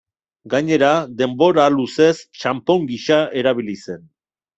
Gainera, denbora luzez, txanpon gisa erabili zen.